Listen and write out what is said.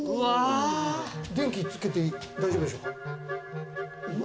電気つけて大丈夫でしょうか？